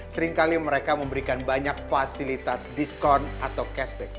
seringkali mereka memberikan banyak fasilitas diskon atau cashback